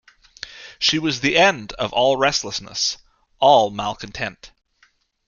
She was the end of all restlessness, all malcontent.